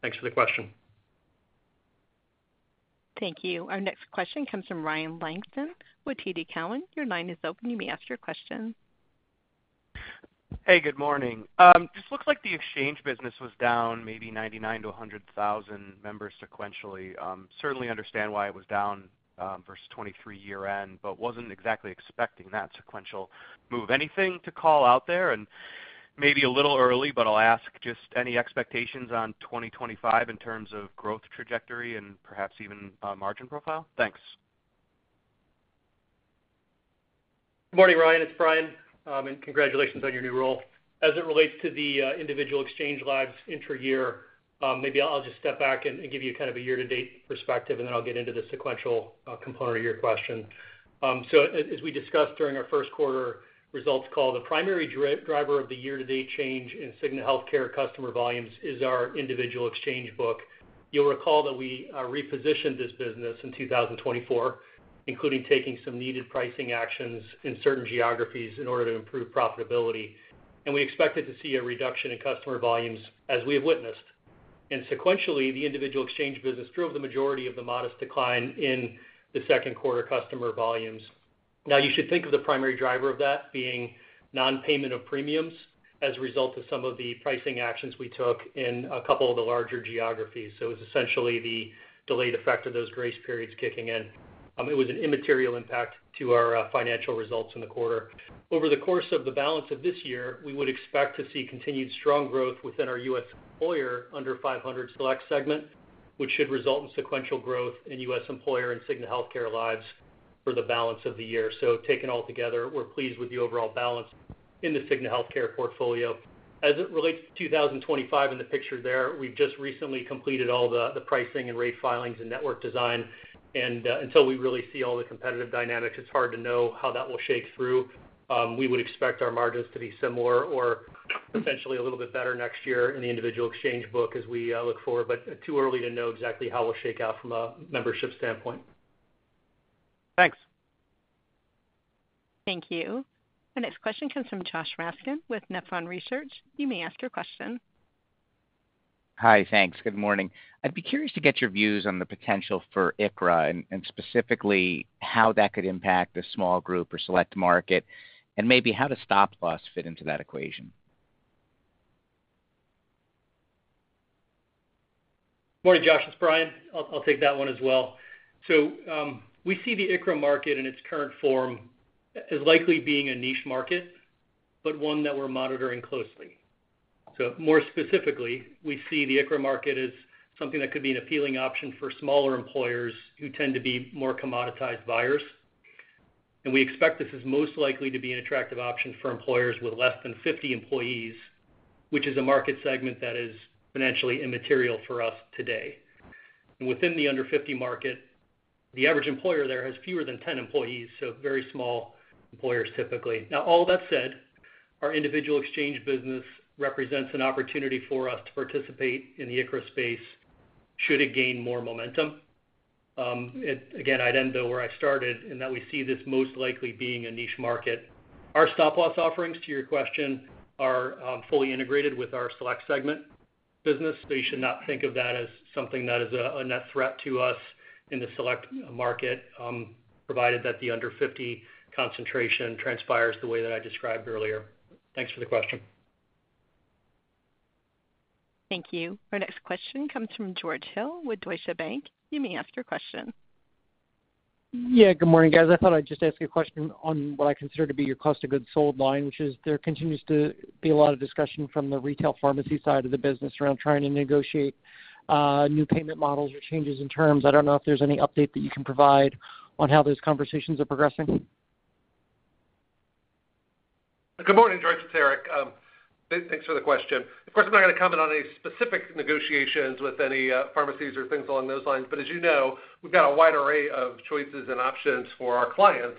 Thanks for the question. Thank you. Our next question comes from Ryan Langston with TD Cowen. Your line is open. You may ask your question. Hey, good morning. This looks like the exchange business was down maybe 99-100,000 members sequentially. Certainly understand why it was down versus 2023 year-end, but wasn't exactly expecting that sequential move. Anything to call out there? Maybe a little early, but I'll ask just any expectations on 2025 in terms of growth trajectory and perhaps even margin profile? Thanks. Morning, Ryan. It's Brian. Congratulations on your new role. As it relates to the individual exchange business year-over-year, maybe I'll just step back and give you kind of a year-to-date perspective, and then I'll get into the sequential component of your question. So as we discussed during our Q1 results call, the primary driver of the year-to-date change in Cigna Healthcare customer volumes is our individual exchange book. You'll recall that we repositioned this business in 2024, including taking some needed pricing actions in certain geographies in order to improve profitability. We expected to see a reduction in customer volumes as we have witnessed. Sequentially, the individual exchange business drove the majority of the modest decline in the Q2 customer volumes. Now, you should think of the primary driver of that being non-payment of premiums as a result of some of the pricing actions we took in a couple of the larger geographies. So it was essentially the delayed effect of those grace periods kicking in. It was an immaterial impact to our financial results in the quarter. Over the course of the balance of this year, we would expect to see continued strong growth within our U.S. employer under 500 Select Segment, which should result in sequential growth in U.S. employer and Cigna Healthcare lives for the balance of the year. So taken all together, we're pleased with the overall balance in the Cigna Healthcare portfolio. As it relates to 2025 in the picture there, we've just recently completed all the pricing and rate filings and network design. And until we really see all the competitive dynamics, it's hard to know how that will shake through. We would expect our margins to be similar or potentially a little bit better next year in the individual exchange book as we look forward, but too early to know exactly how we'll shake out from a membership standpoint. Thanks. Thank you. Our next question comes from Josh Raskin with Nephron Research. You may ask your question. Hi, thanks. Good morning. I'd be curious to get your views on the potential for ICHRA and specifically how that could impact a small group or select market and maybe how does stop-loss fit into that equation? Morning, Josh. It's Brian. I'll take that one as well. So we see the ICHRA market in its current form as likely being a niche market, but one that we're monitoring closely. So more specifically, we see the ICHRA market as something that could be an appealing option for smaller employers who tend to be more commoditized buyers. We expect this is most likely to be an attractive option for employers with less than 50 employees, which is a market segment that is financially immaterial for us today. Within the under 50 market, the average employer there has fewer than 10 employees, so very small employers typically. Now, all that said, our individual exchange business represents an opportunity for us to participate in the ICHRA space should it gain more momentum. Again, I'd end though where I started in that we see this most likely being a niche market. Our stop-loss offerings, to your question, are fully integrated with our Select Segment business. So you should not think of that as something that is a net threat to us in the select market, provided that the under 50 concentration transpires the way that I described earlier. Thanks for the question. Thank you. Our next question comes from George Hill with Deutsche Bank. You may ask your question. Yeah, good morning, guys. I thought I'd just ask a question on what I consider to be your cost of goods sold line, which is, there continues to be a lot of discussion from the retail pharmacy side of the business around trying to negotiate new payment models or changes in terms. I don't know if there's any update that you can provide on how those conversations are progressing. Good morning, George and Eric. Thanks for the question. Of course, I'm not going to comment on any specific negotiations with any pharmacies or things along those lines. But as you know, we've got a wide array of choices and options for our clients.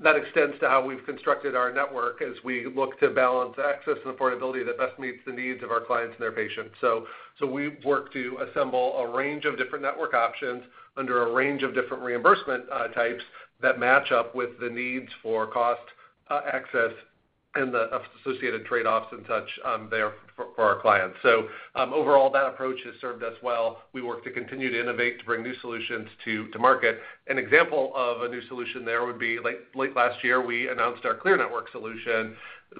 That extends to how we've constructed our network as we look to balance access and affordability that best meets the needs of our clients and their patients. So we work to assemble a range of different network options under a range of different reimbursement types that match up with the needs for cost, access, and the associated trade-offs and such there for our clients. So overall, that approach has served us well. We work to continue to innovate, to bring new solutions to market. An example of a new solution there would be late last year, we announced our ClearNetwork solution.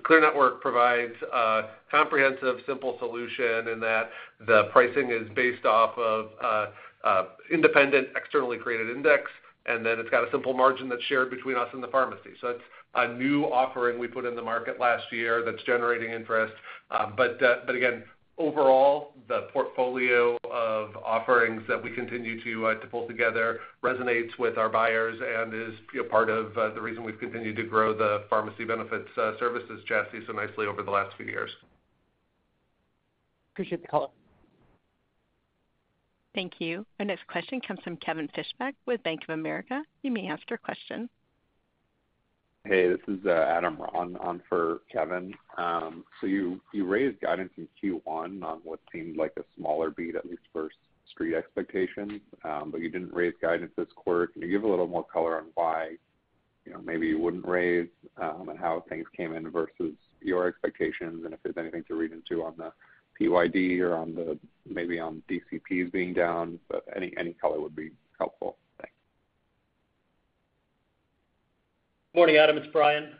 ClearNetwork provides a comprehensive, simple solution in that the pricing is based off of an independent externally created index, and then it's got a simple margin that's shared between us and the pharmacy. So it's a new offering we put in the market last year that's generating interest. But again, overall, the portfolio of offerings that we continue to pull together resonates with our buyers and is part of the reason we've continued to grow the pharmacy benefits services chassis so nicely over the last few years. Appreciate the call. Thank you. Our next question comes from Kevin Fischbeck with Bank of America. You may ask your question. Hey, this is Adam Ron on for Kevin. So you raised guidance in Q1 on what seemed like a smaller beat, at least for street expectations, but you didn't raise guidance this quarter. Can you give a little more color on why maybe you wouldn't raise and how things came in versus your expectations? And if there's anything to read into on the PYD or maybe on DCPs being down, any color would be helpful. Thanks. Morning, Adam. It's Brian.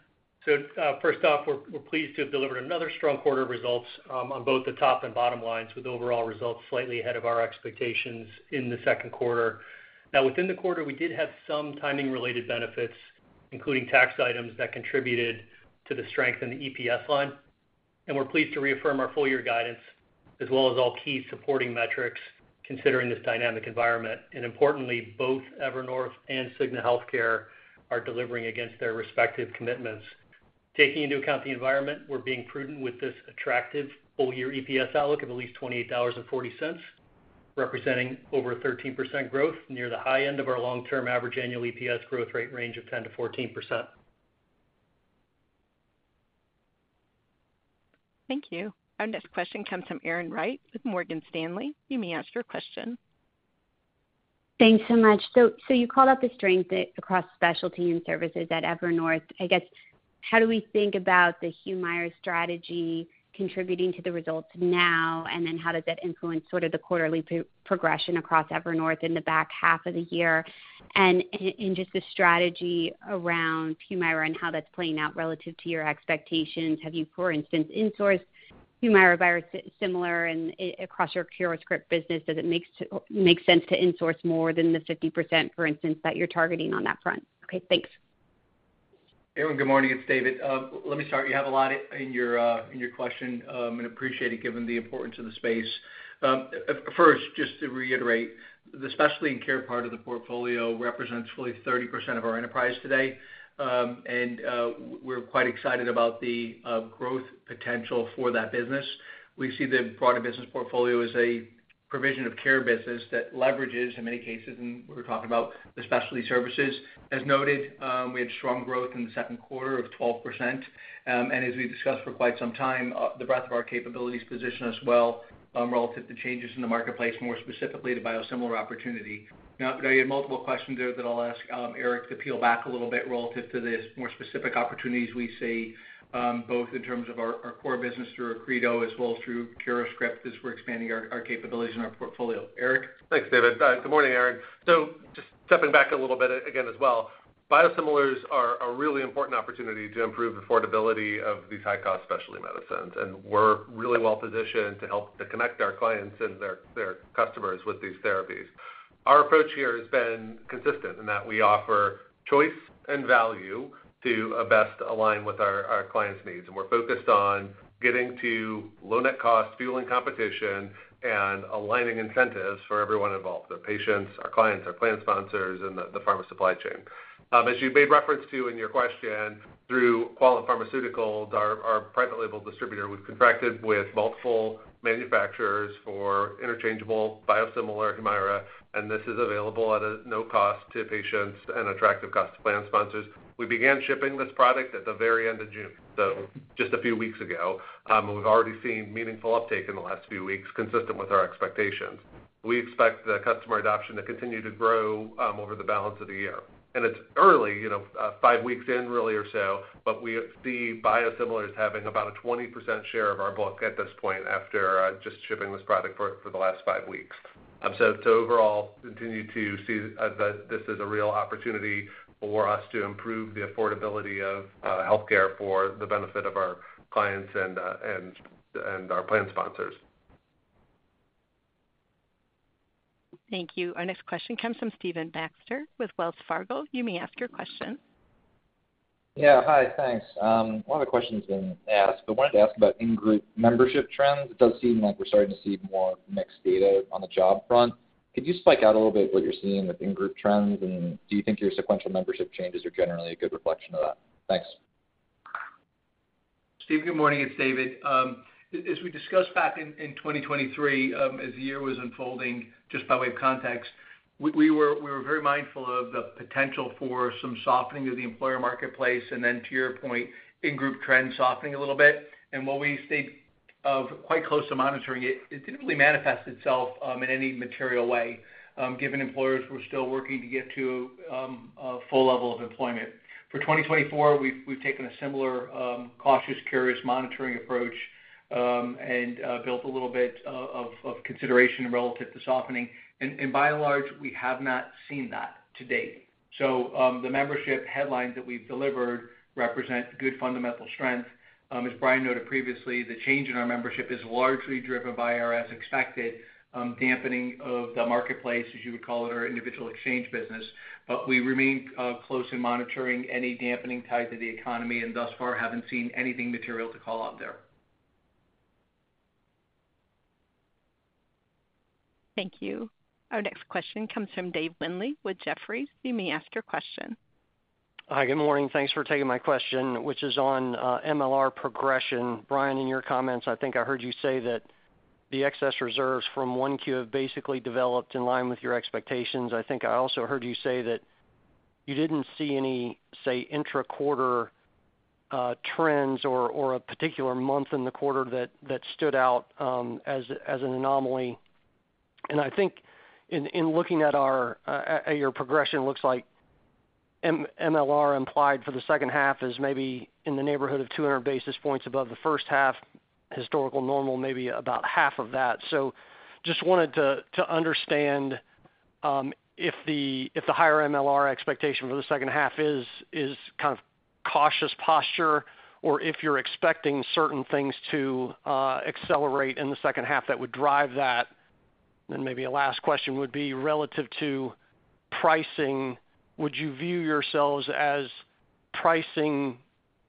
So first off, we're pleased to have delivered another strong quarter results on both the top and bottom lines, with overall results slightly ahead of our expectations in the Q2. Now, within the quarter, we did have some timing-related benefits, including tax items that contributed to the strength in the EPS line. We're pleased to reaffirm our full-year guidance as well as all key supporting metrics considering this dynamic environment. Importantly, both Evernorth and Cigna Healthcare are delivering against their respective commitments. Taking into account the environment, we're being prudent with this attractive full-year EPS outlook of at least $28.40, representing over 13% growth near the high end of our long-term average annual EPS growth rate range of 10%-14%. Thank you. Our next question comes from Erin Wright with Morgan Stanley. You may ask your question. Thanks so much. So you called out the strength across specialty and services at Evernorth. I guess, how do we think about the Humira strategy contributing to the results now? And then how does that influence sort of the quarterly progression across Evernorth in the back half of the year? And just the strategy around Humira and how that's playing out relative to your expectations. Have you, for instance, insourced Humira biosimilar across your CuraScript business? Does it make sense to insource more than the 50%, for instance, that you're targeting on that front? Okay, thanks. Erin, good morning. It's David. Let me start. You have a lot in your question. I appreciate it given the importance of the space. First, just to reiterate, the specialty and care part of the portfolio represents fully 30% of our enterprise today. We're quite excited about the growth potential for that business. We see the broader business portfolio as a provision of care business that leverages, in many cases, and we were talking about the specialty services. As noted, we had strong growth in the Q2 of 12%. As we discussed for quite some time, the breadth of our capabilities position us well relative to changes in the marketplace, more specifically to biosimilars opportunity. Now, you had multiple questions there that I'll ask Eric to peel back a little bit relative to the more specific opportunities we see, both in terms of our core business through Accredo as well as through CuraScript as we're expanding our capabilities in our portfolio. Eric. Thanks, David. Good morning, Erin. So just stepping back a little bit again as well, biosimilars are a really important opportunity to improve the affordability of these high-cost specialty medicines. And we're really well-positioned to help to connect our clients and their customers with these therapies. Our approach here has been consistent in that we offer choice and value to best align with our clients' needs. And we're focused on getting to low-net cost, fueling competition, and aligning incentives for everyone involved: their patients, our clients, our plan sponsors, and the pharma supply chain. As you made reference to in your question, through Quallent Pharmaceuticals, our private label distributor, we've contracted with multiple manufacturers for interchangeable biosimilar Humira. This is available at a no-cost to patients and attractive cost to plan sponsors. We began shipping this product at the very end of June, so just a few weeks ago. We've already seen meaningful uptake in the last few weeks, consistent with our expectations. We expect the customer adoption to continue to grow over the balance of the year. It's early, five weeks in really or so, but we see biosimilars having about a 20% share of our book at this point after just shipping this product for the last five weeks. So overall, continue to see that this is a real opportunity for us to improve the affordability of healthcare for the benefit of our clients and our plan sponsors. Thank you. Our next question comes from Stephen Baxter with Wells Fargo. You may ask your question. Yeah, hi, thanks. One of the questions been asked. I wanted to ask about in-group membership trends. It does seem like we're starting to see more mixed data on the job front. Could you speak out a little bit what you're seeing with in-group trends, and do you think your sequential membership changes are generally a good reflection of that? Thanks. Steve, good morning. It's David. As we discussed back in 2023, as the year was unfolding, just by way of context, we were very mindful of the potential for some softening of the employer marketplace. And then to your point, in-group trends softening a little bit. And while we stayed quite close to monitoring it, it didn't really manifest itself in any material way, given employers were still working to get to a full level of employment. For 2024, we've taken a similar cautious, curious monitoring approach and built a little bit of consideration relative to softening. And by and large, we have not seen that to date. So the membership headlines that we've delivered represent good fundamental strength. As Brian noted previously, the change in our membership is largely driven by our as-expected dampening of the marketplace, as you would call it, or individual exchange business. But we remain close in monitoring any dampening tied to the economy and thus far haven't seen anything material to call out there. Thank you. Our next question comes from David Windley with Jefferies. You may ask your question. Hi, good morning. Thanks for taking my question, which is on MLR progression. Brian, in your comments, I think I heard you say that the excess reserves from one Q have basically developed in line with your expectations. I think I also heard you say that you didn't see any, say, intra-quarter trends or a particular month in the quarter that stood out as an anomaly. I think in looking at your progression, it looks like MLR implied for the second half is maybe in the neighborhood of 200 basis points above the first half historical normal, maybe about half of that. So just wanted to understand if the higher MLR expectation for the second half is kind of cautious posture or if you're expecting certain things to accelerate in the second half that would drive that. Maybe a last question would be relative to pricing. Would you view yourselves as pricing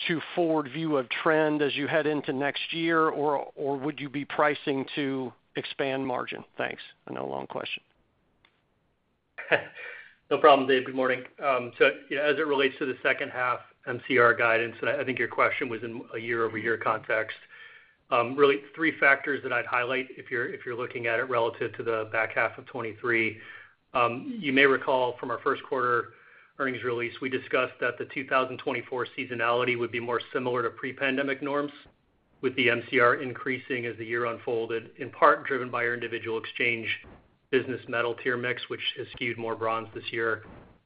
to forward view of trend as you head into next year, or would you be pricing to expand margin? Thanks. I know a long question. No problem, Dave. Good morning. So as it relates to the second half MCR guidance, and I think your question was in a year-over-year context, really three factors that I'd highlight if you're looking at it relative to the back half of 2023. You may recall from our Q1 earnings release, we discussed that the 2024 seasonality would be more similar to pre-pandemic norms, with the MCR increasing as the year unfolded, in part driven by our individual exchange business metal tier mix, which has skewed more bronze this year.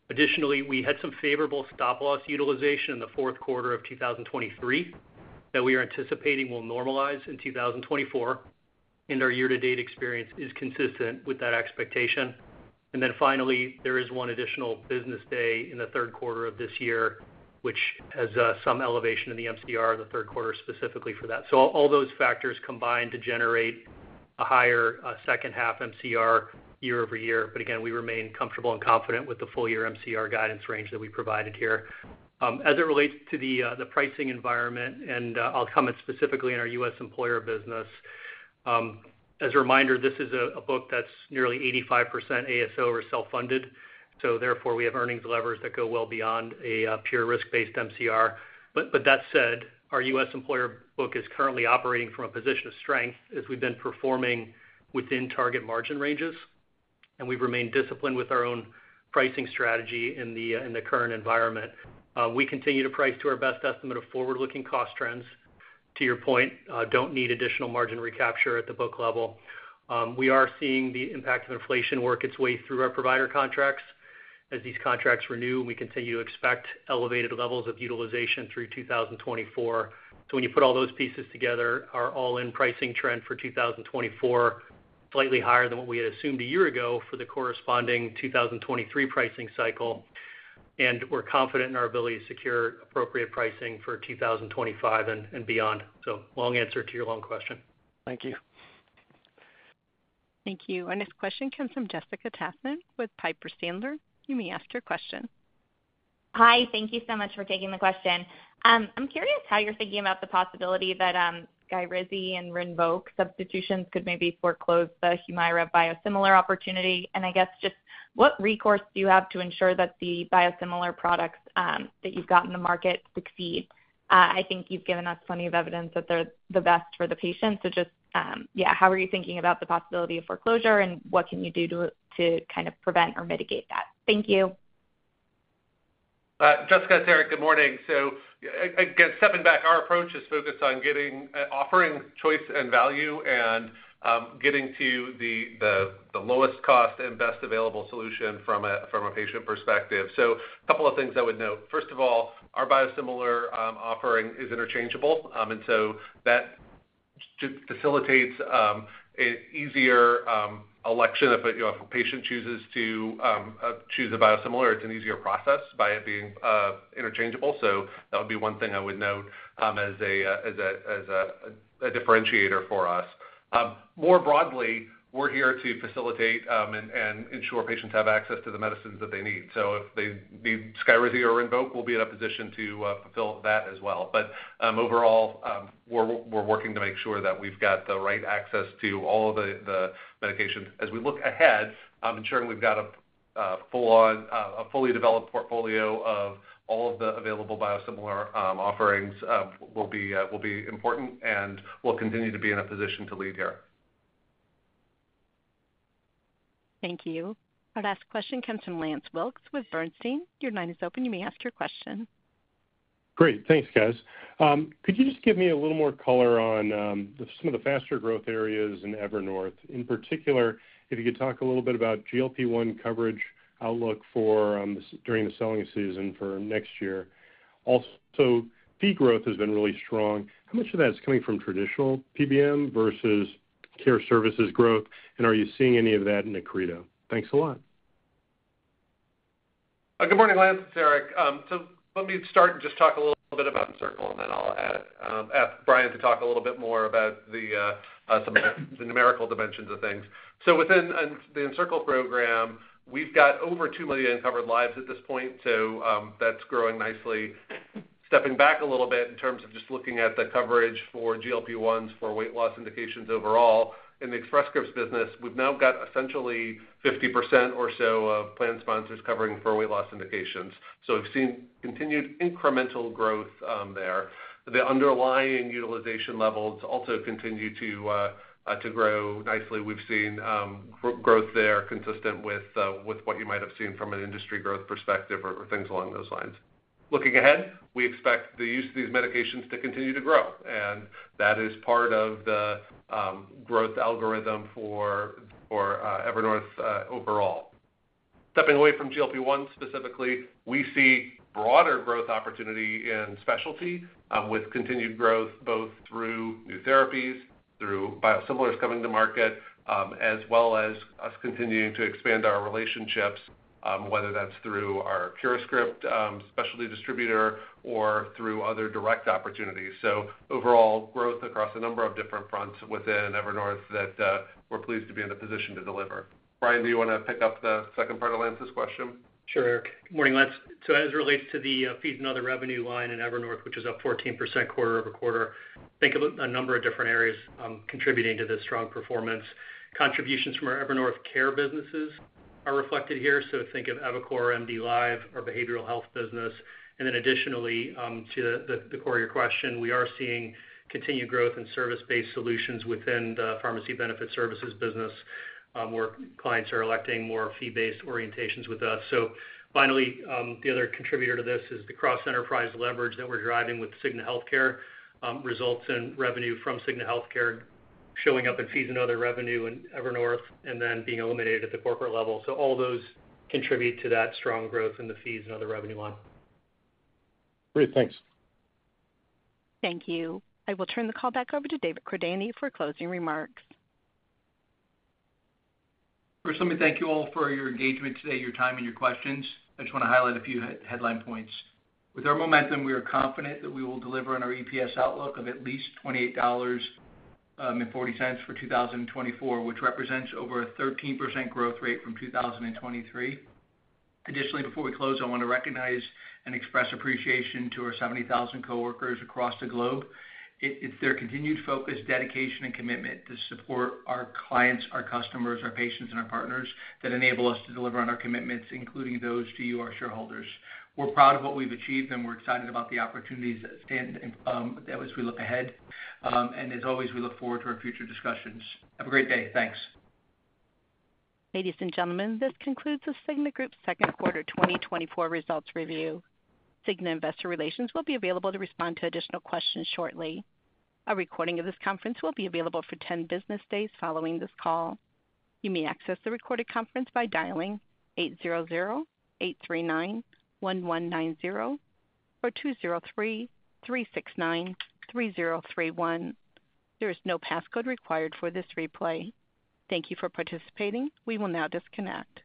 Additionally, we had some favorable stop loss utilization in the Q4 of 2023 that we are anticipating will normalize in 2024. Our year-to-date experience is consistent with that expectation. Finally, there is one additional business day in the Q3 of this year, which has some elevation in the MCR in the Q3 specifically for that. All those factors combine to generate a higher second half MCR year-over-year. Again, we remain comfortable and confident with the full-year MCR guidance range that we provided here. As it relates to the pricing environment, and I'll comment specifically on our U.S. employer business. As a reminder, this is a book that's nearly 85% ASO or self-funded. Therefore, we have earnings levers that go well beyond a pure risk-based MCR. That said, our U.S. employer book is currently operating from a position of strength as we've been performing within target margin ranges. We've remained disciplined with our own pricing strategy in the current environment. We continue to price to our best estimate of forward-looking cost trends. To your point, don't need additional margin recapture at the book level. We are seeing the impact of inflation work its way through our provider contracts. As these contracts renew, we continue to expect elevated levels of utilization through 2024. So when you put all those pieces together, our all-in pricing trend for 2024 is slightly higher than what we had assumed a year ago for the corresponding 2023 pricing cycle. And we're confident in our ability to secure appropriate pricing for 2025 and beyond. So long answer to your long question. Thank you. Thank you. Our next question comes from Jessica Tassan with Piper Sandler. You may ask your question. Hi. Thank you so much for taking the question. I'm curious how you're thinking about the possibility that Skyrizi and Rinvoq substitutions could maybe foreclose the Humira biosimilar opportunity. And I guess just what recourse do you have to ensure that the biosimilar products that you've got in the market succeed? I think you've given us plenty of evidence that they're the best for the patient. So just, yeah, how are you thinking about the possibility of foreclosure, and what can you do to kind of prevent or mitigate that? Thank you. Jessica, Derek, good morning. So again, stepping back, our approach is focused on offering choice and value and getting to the lowest cost and best available solution from a patient perspective. So a couple of things I would note. First of all, our biosimilar offering is interchangeable. And so that facilitates an easier election. If a patient chooses to choose a biosimilar, it's an easier process by it being interchangeable. So that would be one thing I would note as a differentiator for us. More broadly, we're here to facilitate and ensure patients have access to the medicines that they need. So if they need Skyrizi or Rinvoq, we'll be in a position to fulfill that as well. But overall, we're working to make sure that we've got the right access to all of the medications. As we look ahead, ensuring we've got a fully developed portfolio of all of the available biosimilar offerings will be important, and we'll continue to be in a position to lead here. Thank you. Our last question comes from Lance Wilkes with Bernstein. Your line is open. You may ask your question. Great. Thanks, guys. Could you just give me a little more color on some of the faster growth areas in Evernorth? In particular, if you could talk a little bit about GLP-1 coverage outlook during the selling season for next year. Also, fee growth has been really strong. How much of that is coming from traditional PBM versus care services growth? And are you seeing any of that in Accredo? Thanks a lot. Good morning, Lance and Derek. Let me start and just talk a little bit about Encircle, and then I'll ask Brian to talk a little bit more about some of the numerical dimensions of things. Within the Encircle program, we've got over 2 million covered lives at this point. That's growing nicely. Stepping back a little bit in terms of just looking at the coverage for GLP-1s for weight loss indications overall, in the Express Scripts business, we've now got essentially 50% or so of plan sponsors covering for weight loss indications. So we've seen continued incremental growth there. The underlying utilization levels also continue to grow nicely. We've seen growth there consistent with what you might have seen from an industry growth perspective or things along those lines. Looking ahead, we expect the use of these medications to continue to grow. And that is part of the growth algorithm for Evernorth overall. Stepping away from GLP-1 specifically, we see broader growth opportunity in specialty with continued growth both through new therapies, through biosimilars coming to market, as well as us continuing to expand our relationships, whether that's through our CuraScript specialty distributor or through other direct opportunities. So overall, growth across a number of different fronts within Evernorth that we're pleased to be in a position to deliver. Brian, do you want to pick up the second part of Lance's question? Sure. Good morning, Lance. So as it relates to the fees and other revenue line in Evernorth, which is up 14% quarter-over-quarter, think of a number of different areas contributing to this strong performance. Contributions from our Evernorth care businesses are reflected here. So think of EviCore, MDLIVE, our behavioral health business. And then additionally to the core of your question, we are seeing continued growth in service-based solutions within the pharmacy benefit services business where clients are electing more fee-based orientations with us. So finally, the other contributor to this is the cross-enterprise leverage that we're driving with Cigna Healthcare, results in revenue from Cigna Healthcare showing up in fees and other revenue in Evernorth and then being eliminated at the corporate level. So all those contribute to that strong growth in the fees and other revenue line. Great. Thanks. Thank you. I will turn the call back over to David Cordani for closing remarks. First, let me thank you all for your engagement today, your time, and your questions. I just want to highlight a few headline points. With our momentum, we are confident that we will deliver on our EPS outlook of at least $28.40 for 2024, which represents over a 13% growth rate from 2023. Additionally, before we close, I want to recognize and express appreciation to our 70,000 coworkers across the globe. It's their continued focus, dedication, and commitment to support our clients, our customers, our patients, and our partners that enable us to deliver on our commitments, including those to you, our shareholders. We're proud of what we've achieved, and we're excited about the opportunities that we look ahead. And as always, we look forward to our future discussions. Have a great day. Thanks. Ladies and gentlemen, this concludes the Cigna Group's Q2 2024 results review. Cigna investor relations will be available to respond to additional questions shortly. A recording of this conference will be available for 10 business days following this call. You may access the recorded conference by dialing 800-839-1190 or 203-369-3031. There is no passcode required for this replay. Thank you for participating. We will now disconnect.